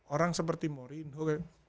orang seperti morinio